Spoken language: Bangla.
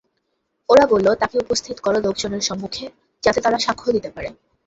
ওরা বলল, তাকে উপস্থিত কর লোকজনের সম্মুখে, যাতে তারা সাক্ষ্য দিতে পারে।